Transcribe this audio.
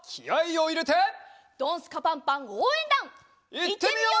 いってみよう！